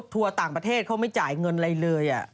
ทัวร์ต่างประเทศเขาไม่จ่ายเงินอะไรเลย